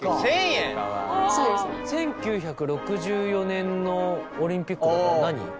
１９６４年のオリンピックって何。